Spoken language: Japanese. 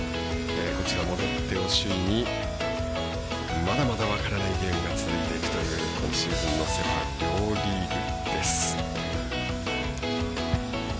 こちらもロッテを首位にまだまだ分からないゲームが続いていくという今シーズンのセ・パ両リーグです。